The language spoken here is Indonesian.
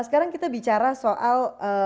sekarang kita bicara soal